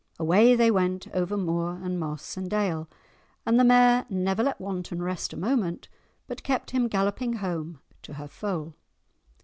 Away they went over moor and moss and dale, and the mare never let Wanton rest a moment, but kept him galloping home to her foal.